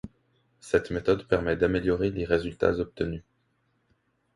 Cette méthode permet d'améliorer les résultats obtenus.